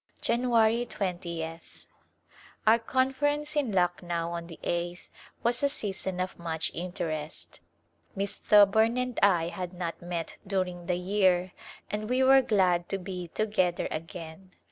January 20th. Our Conference in Lucknow on the eighth was a season of much interest. Miss Thoburn and I had not met during the year and we were glad to be to gether again.